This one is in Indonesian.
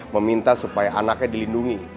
meminta supaya anaknya dilindungi